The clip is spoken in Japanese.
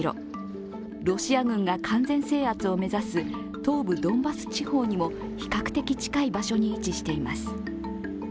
ロシア軍が完全制圧を目指す東部ドンバス地方にも比較的近い場所に位置しています。